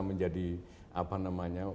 menjadi apa namanya